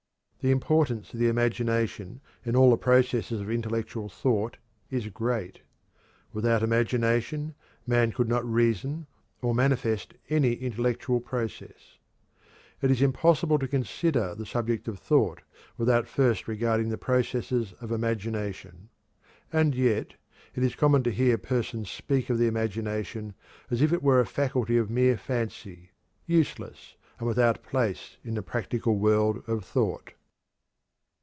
The importance of the imagination in all the processes of intellectual thought is great. Without imagination man could not reason or manifest any intellectual process. It is impossible to consider the subject of thought without first regarding the processes of imagination. And yet it is common to hear persons speak of the imagination as if it were a faculty of mere fancy, useless and without place in the practical world of thought.